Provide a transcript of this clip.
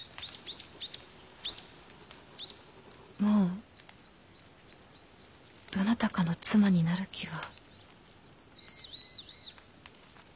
もうどなたかの妻になる気は。